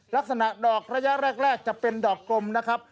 ลักษณะดอกระยะแรกจะเป็นดอกกลมนะครับ